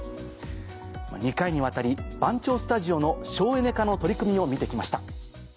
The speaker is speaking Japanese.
２回にわたり番町スタジオの省エネ化の取り組みを見て来ました。